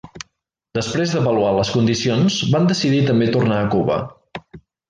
Després d'avaluar les condicions van decidir també tornar a Cuba.